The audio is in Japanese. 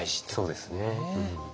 そうですね。